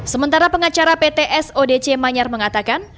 sementara pengacara ptsodc manyar mengatakan